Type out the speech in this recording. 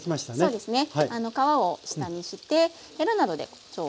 そうですね。